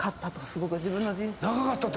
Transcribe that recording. すごく自分の人生。